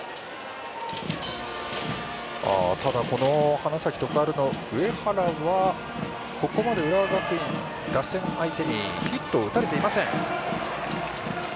花咲徳栄の上原はここまで浦和学院打線相手にヒットを打たれていません。